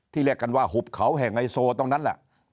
เรียกกันว่าหุบเขาแห่งไฮโซตรงนั้นแหละ